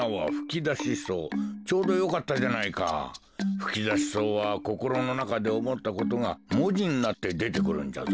ふきだし草はこころのなかでおもったことがもじになってでてくるんじゃぞ。